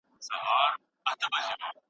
د اختلاف سره سره خلک ګډ ژوند کوي.